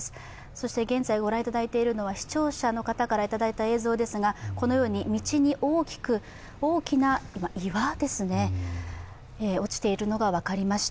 そして現在ご覧いただいているのは視聴者の方からいただいた映像ですがこのように道に大きな岩が落ちているのが分かりました。